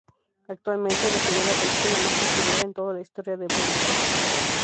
Actualmente es la segunda película más taquillera en todo la historia de Bollywood.